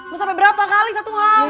gue sampe berapa kali satu hal